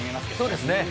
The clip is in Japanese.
そうですね。